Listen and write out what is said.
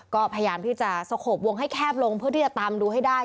ก็พยายามที่จะสโขบวงให้แคบลงเพื่อที่จะตามดูให้ได้